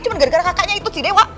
cuma gara gara kakaknya itu si dewa